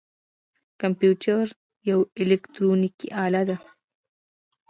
کمپیوټر یوه الکترونیکی آله ده